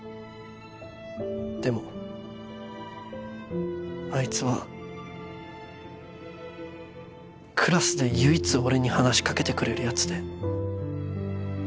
でもあいつはクラスで唯一俺に話し掛けてくれるやつで